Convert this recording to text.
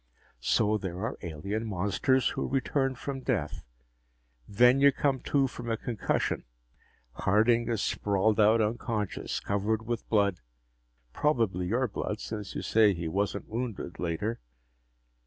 So there are alien monsters who return from death. Then you come to from a concussion. Harding is sprawled out unconscious, covered with blood probably your blood, since you say he wasn't wounded, later.